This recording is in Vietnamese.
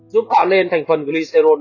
giúp tạo nên thành phần glycerol